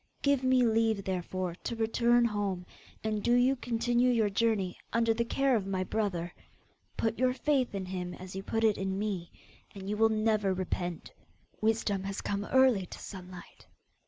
Give me leave, therefore, to return home, and do you continue your journey under the care of my brother. Put your faith in him as you put it in me, and you will never repent. Wisdom has come early to Sunlight.